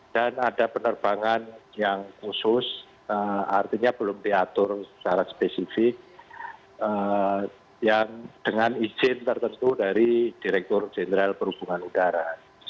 dan ada penerbangan yang khusus artinya belum diatur secara spesifik yang dengan izin tertentu dari direktur jenderal perhubungan udara